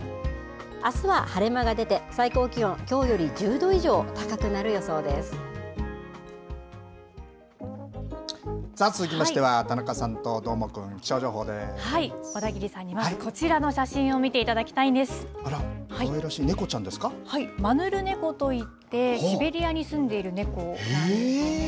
あすは晴れ間が出て、最高気温きょうより１０度以上高くなる予想続きましては田中さんとどー小田切さんにはこちらの写真あら、かわいらしい、猫ちゃマヌルネコといって、シベリアに住んでいる猫なんですよね。